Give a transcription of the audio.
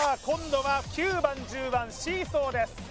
今度は９番１０番シーソーです